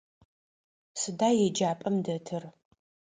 Сыда еджапӏэм дэтыр?